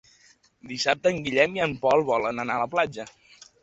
Dissabte en Guillem i en Pol volen anar a la platja.